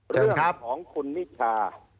เจอครับเรื่องของคุณนิชา